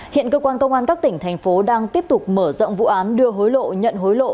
hiện cơ quan công an các tỉnh thành phố đang tiếp tục mở rộng vụ án đưa hối lộ nhận hối lộ